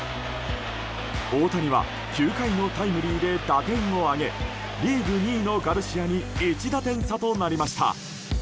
大谷は９回のタイムリーで打点を挙げリーグ２位のガルシアに１打点差となりました。